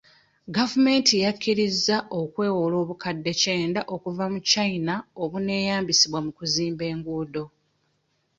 Gavumenti yakkirizza okwewola obukadde kyenda okuva mu China obuneeyambisibwa mu kuzimba enguudo.